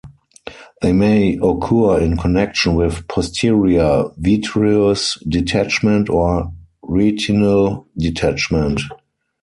They may occur in connection with posterior vitreous detachment or retinal detachment.